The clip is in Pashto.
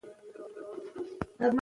لا د دام هنر یې نه وو أزمېیلی